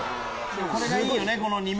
これがいいよね！